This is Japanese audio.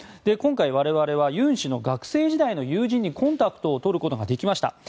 今回、我々はユン氏の学生時代の友人にコンタクトをとることができました。